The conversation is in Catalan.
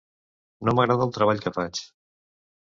No m'agrada el treball que faig.